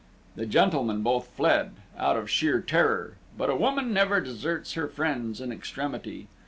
The gentlemen both fled, out of sheer terror; but a woman never deserts her friends in extremity.